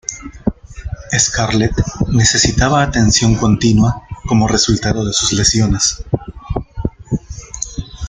Scarlett necesitaba atención continua como resultado de sus lesiones.